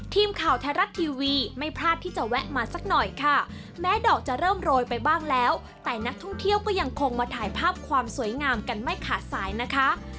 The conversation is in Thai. ทีมข่าวไทยรัฐทีวีไม่พลาดที่จะแวะมาสักหน่อยค่ะแม้ดอกจะเริ่มโรยไปบ้างแล้วแต่นักท่องเที่ยวก็ยังคงมาถ่ายภาพความสวยงามกันไม่ขาดสายนะคะ